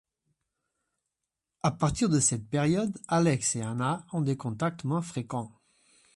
À partir de cette période, Alex et Anna ont des contacts moins fréquents.